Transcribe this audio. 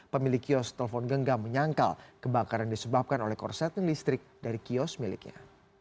pemilik kios telepon genggam menyangkal kebakaran disebabkan oleh korsetnya listrik dari kios miliknya